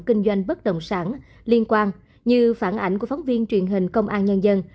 kinh doanh bất động sản liên quan như phản ảnh của phóng viên truyền hình công an nhân dân